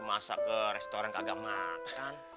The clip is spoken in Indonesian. masak ke restoran kagak makan